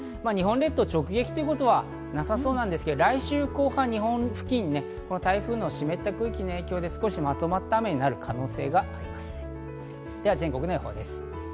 日本列島を直撃ということはなさそうなんですが、来週後半、日本付近にこの台風の湿った空気の影響で少しまとまった雨となる可能性があります。